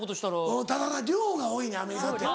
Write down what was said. ただな量が多いねんアメリカって。